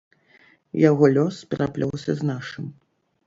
Яго лёс пераплёўся з нашым.